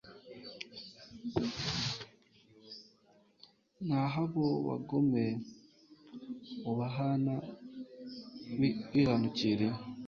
naho abo bagome ubahana wihanukiriye